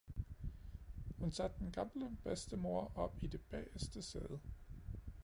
Hun satte den gamle bedstemoder op i det bageste sæde.